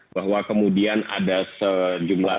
bahwa kemudian ada sejumlah